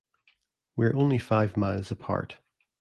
We're only five miles apart.